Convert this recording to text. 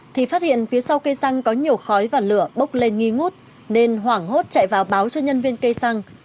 thì phát hiện phía sau cây xăng có nhiều khói và lửa bốc lên nghi ngút nên hoảng hốt chạy vào báo cho nhân viên cây xăng